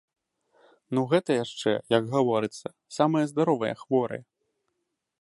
Ну гэта яшчэ, як гаворыцца, самыя здаровыя хворыя.